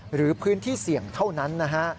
หรือพื้นที่เสี่ยงเท่านั้นนะฮะ